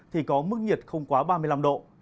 thì có mức nhiệt không quá ba mươi năm độ